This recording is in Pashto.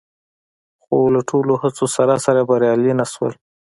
خو له ټولو هڅو سره سره بریالي نه شول